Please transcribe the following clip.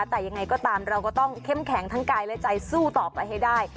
แต่ยังไงก็ตามเราก็ต้องเข้มแข็งทั้งกายและใจสู้ต่อไปให้ได้